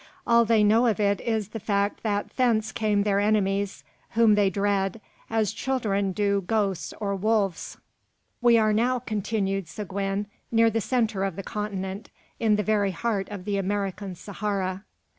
All they know of it is the fact that thence come their enemies, whom they dread, as children do ghosts or wolves." "We are now," continued Seguin, "near the centre of the continent, in the very heart of the American Sahara."